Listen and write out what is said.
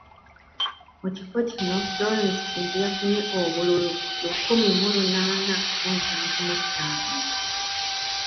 Mu kifo kino Florence Kintu yafunye obululu lukumi mu lunaana mu nsanvu mu ttaano